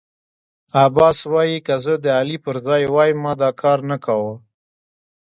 عباس وايی که زه د علي پر ځای وای ما دا کارنه کاوه.